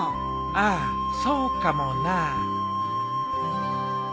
ああそうかもな。